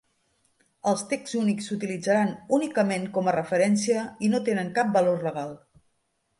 Els texts únics s'utilitzaran únicament com a referència i no tenen cap valor legal.